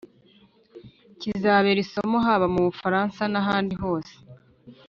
kizabera isomo, haba mu bufaransa n'ahandi hose,